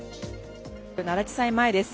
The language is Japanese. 奈良地裁前です。